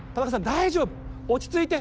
大丈夫落ち着いて。